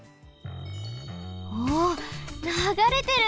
おおながれてる！